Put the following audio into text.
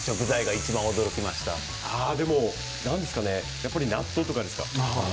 やっぱり納豆とかですか。